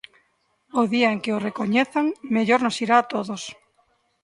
O día en que o recoñezan, mellor nos irá a todos.